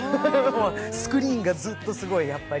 スクリーンがずっとすごい、やっぱり。